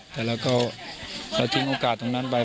แต่เราก็เราทิ้งโอกาสตรงนั้นไป